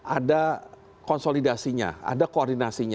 ada konsolidasinya ada koordinasinya